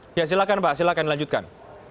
hai ya silakan pak silakan lanjutkan